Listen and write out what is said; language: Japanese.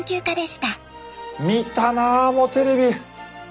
見たなもうテレビ。